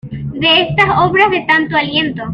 De estas obras de tanto aliento.